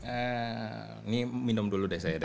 ini minum dulu deh saya